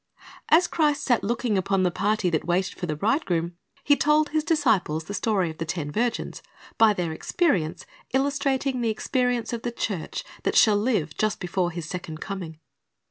As Christ sat looking upon the party that waited for the bridegroom, He told His disciples the story of the ten virgins, by their experience illustrating the experience of the church that shall live just before His second coming.